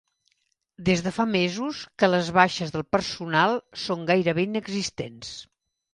Des de fa mesos que les baixes del personal són gairebé inexistents.